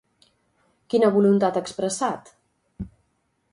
Quina voluntat ha expressat?